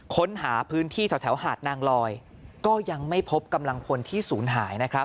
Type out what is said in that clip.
ค้นหาพื้นที่แถวหาดนางลอยก็ยังไม่พบกำลังพลที่ศูนย์หายนะครับ